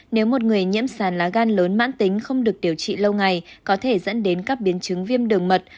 nếu một người nhiễm sán lá gan lớn mãn tính không được điều trị lâu ngày có thể dẫn đến các biến chứng viêm đường mật